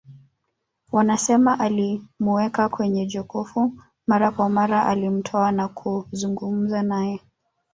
Wanasema alimuweka kwenye jokofu mara kwa mara alimtoa na kuzungumza naye